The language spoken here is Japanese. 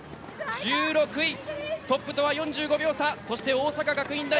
１６位でトップとは４５秒差